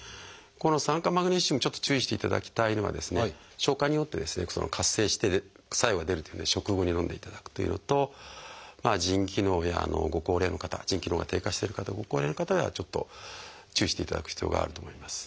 この酸化マグネシウムちょっと注意していただきたいのは消化によって活性して作用が出るというので食後にのんでいただくというのと腎機能やご高齢の方腎機能が低下してる方ご高齢の方はちょっと注意していただく必要があると思います。